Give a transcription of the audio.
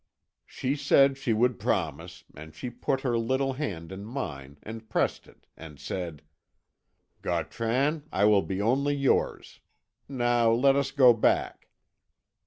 She said she would promise, and she put her little hand in mine and pressed it, and said: "'Gautran, I will be only yours; now let us go back.'